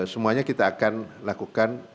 semuanya kita akan lakukan